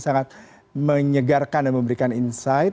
sangat menyegarkan dan memberikan insight